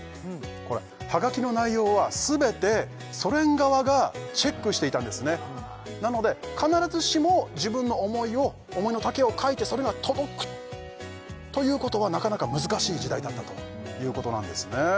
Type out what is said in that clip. これはがきの内容は全てソ連側がチェックしていたんですねなので必ずしも自分の思いを思いの丈を書いてそれが届くということはなかなか難しい時代だったということなんですね